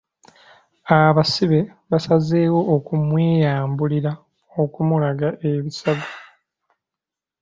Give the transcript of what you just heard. Abasibe basazeewo okumweyambulira okumulaga ebisago.